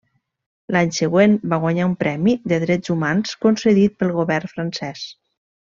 L'any següent va guanyar un premi de drets humans concedit pel govern francès.